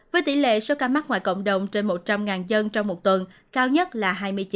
với tỷ lệ số ca mắc ngoài cộng đồng trên một trăm linh dân trong một tuần cao nhất là hai mươi chín